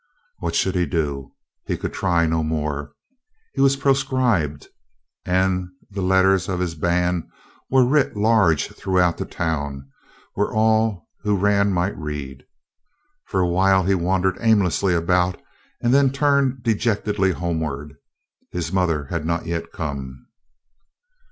What should he do? He could try no more. He was proscribed, and the letters of his ban were writ large throughout the town, where all who ran might read. For a while he wandered aimlessly about and then turned dejectedly homeward. His mother had not yet come.